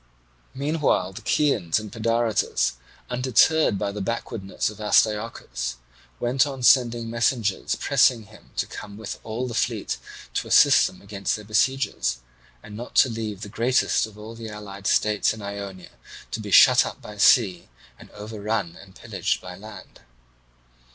Meanwhile the Chians and Pedaritus, undeterred by the backwardness of Astyochus, went on sending messengers pressing him to come with all the fleet to assist them against their besiegers, and not to leave the greatest of the allied states in Ionia to be shut up by sea and overrun and pillaged by land.